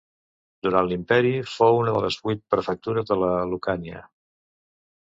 Durant l'imperi, fou una de les vuit prefectures de la Lucània.